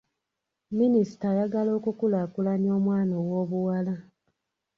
Minisita ayagala okukulaakulanya omwana ow'obuwala.